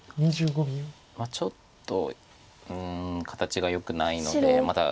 ちょっとうん形がよくないのでまだ。